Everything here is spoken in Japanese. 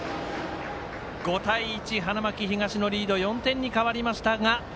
５対１、花巻東のリード４点に変わりましたが。